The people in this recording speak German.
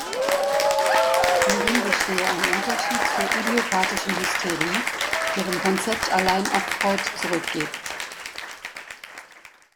Hierin bestehe ein Unterschied zur idiopathischen Hysterie, deren Konzept allein auf Freud zurückgeht.